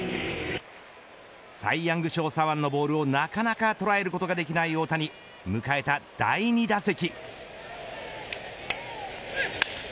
サイヤング賞左腕のボールをなかなか捉えることができない大谷迎えた第２打席。